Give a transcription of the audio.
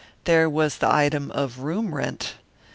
There was the item of room rent.